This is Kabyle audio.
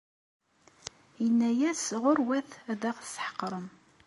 Yenna-yas ɣur-wat ad ɣ-tessḥeqrem.